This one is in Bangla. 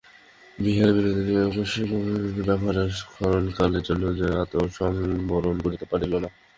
বিহারী বিনোদিনীর এই আকস্মিক অভাবনীয় ব্যবহারে ক্ষণকালের জন্য যেন আত্মসংবরণ করিতে পারিল না।